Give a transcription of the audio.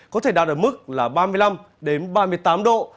có thể đạt được mức là ba mươi năm đến ba mươi tám độ